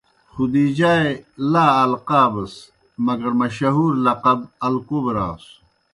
خدِیجہؓ اےْ لا القابس مگر مشہور لقب ”الکبریٰ“ سوْ۔